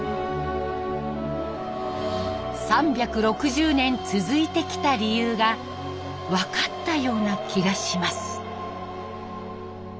３６０年続いてきた理由が分かったような気がします。